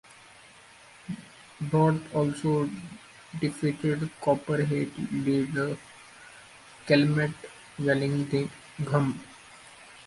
Brough also defeated Copperhead leader Clement Vallandigham.